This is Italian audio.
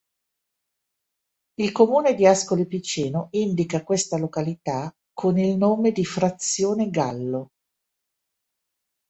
Il comune di Ascoli Piceno indica questa località con il nome di "Frazione Gallo".